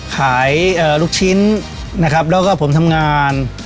ขายลูกชิ้นนะครับแล้วก็ผมทำงาน